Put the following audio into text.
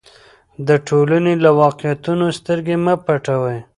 د ټولنې له واقعیتونو سترګې مه پټوئ.